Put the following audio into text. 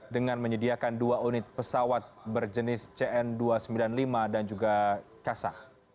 dengan menyediakan dua unit pesawat berjenis cn dua ratus sembilan puluh lima dan juga kasa